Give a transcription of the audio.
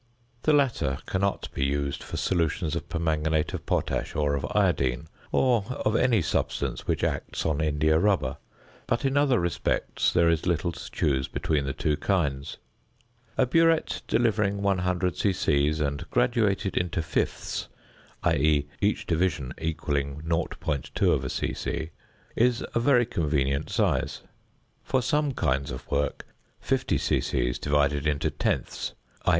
The latter cannot be used for solutions of permanganate of potash or of iodine, or of any substance which acts on india rubber; but in other respects there is little to choose between the two kinds. A burette delivering 100 c.c., and graduated into fifths (i.e., each division = 0.2 c.c.), is a very convenient size. For some kinds of work, 50 c.c. divided into tenths (_i.